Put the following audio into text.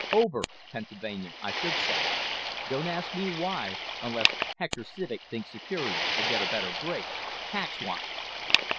Over Pennsylvania, I should say. Don't ask me why, unless Hector Civek thinks Superior will get a better break, taxwise."